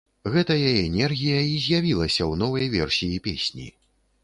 Гэтая энергія і з'явілася ў новай версіі песні.